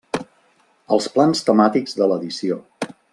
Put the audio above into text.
Els plans temàtics de l'edició.